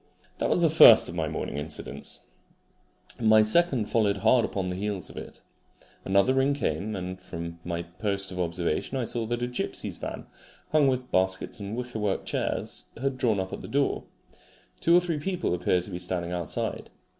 That was the first of my morning incidents. My second followed hard upon the heels of it. Another ring came, and from my post of observation I saw that a gipsy's van, hung with baskets and wickerwork chairs, had drawn up at the door. Two or three people appeared to be standing outside.